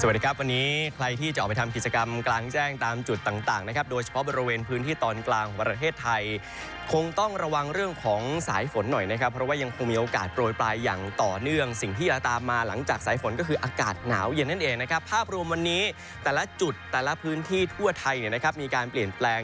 สวัสดีครับวันนี้ใครที่จะออกไปทำกิจกรรมกลางแจ้งตามจุดต่างต่างนะครับโดยเฉพาะบริเวณพื้นที่ตอนกลางของประเทศไทยคงต้องระวังเรื่องของสายฝนหน่อยนะครับเพราะว่ายังคงมีโอกาสโปรยปลายอย่างต่อเนื่องสิ่งที่จะตามมาหลังจากสายฝนก็คืออากาศหนาวเย็นนั่นเองนะครับภาพรวมวันนี้แต่ละจุดแต่ละพื้นที่ทั่วไทยเนี่ยนะครับมีการเปลี่ยนแปลง